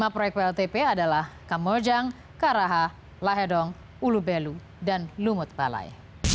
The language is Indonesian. lima proyek pltp adalah kamerjang karaha lahedong hulu belu dan lumut balai